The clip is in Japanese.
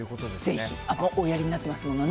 ぜひ、おやりになってますものね。